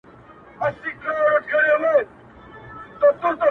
• کافر دروغ پاخه رشتیا مات کړي,